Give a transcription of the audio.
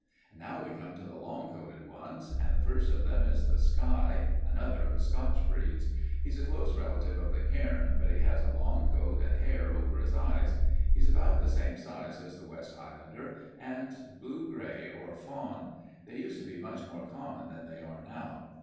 "Now we come to the long coated ones, and the first of them is the Skye, another of the Scotch breeds. He's a close relative of the cairn, but he has a long coat and hair over his eyes. He's about the same size as the West Highlander and he's blue gray or fawn. They used to be much more common than they are now.